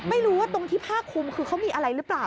ไม่รู้ว่าตรงที่ผ้าคุมคือเขามีอะไรหรือเปล่า